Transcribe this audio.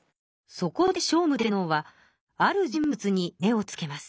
そこで聖武天皇はある人物に目をつけます。